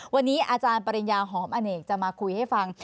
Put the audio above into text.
วันนี้อาจารย์ปริญญาหอมอเนกจะมาคุยให้ฟัง